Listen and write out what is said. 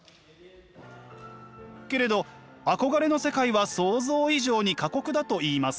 けれど憧れの世界は想像以上に過酷だといいます。